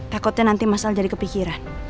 takutnya nanti masalah jadi kepikiran